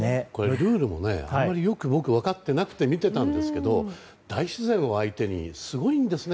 ルールもよく分かっていなくて見てたんですけど大自然を相手にすごいんですね